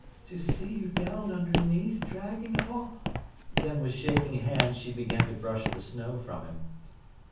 "To see you down underneath—dragging—oh—" Then with shaking hands she began to brush the snow from him.